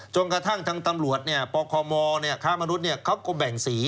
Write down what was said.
กระทั่งทางตำรวจปคมค้ามนุษย์เขาก็แบ่งสี